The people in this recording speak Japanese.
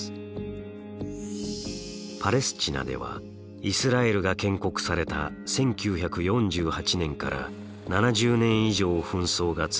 パレスチナではイスラエルが建国された１９４８年から７０年以上紛争が続いています。